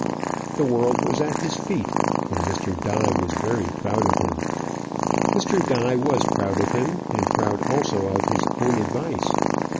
The world was at his feet, and Mr. Die was very proud of him. Mr. Die was proud of him, and proud also of his own advice.